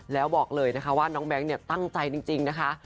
แล้วบอกเลยนะคะว่าน้องแบงค์เนี่ยตั้งใจจริงนะคะ